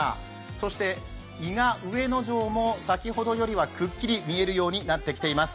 そして伊賀上野城も先ほどよりはくっきり見えるようになってきています。